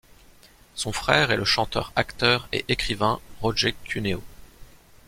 Son frère est le chanteur, acteur et écrivain Roger Cuneo.